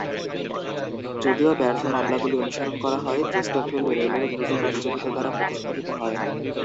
যদিও ব্যর্থ মামলাগুলি অনুসরণ করা হয়, চেস্টারফিল্ড রেলওয়ে দ্রুত প্রতিযোগিতা দ্বারা প্রতিস্থাপিত হয়।